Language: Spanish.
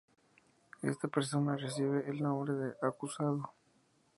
Esta persona recibe el nombre de acusado.